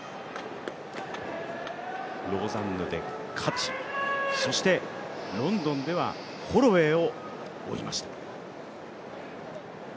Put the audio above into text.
ローザンヌで勝ち、そしてロンドンではホロウェイを追いました。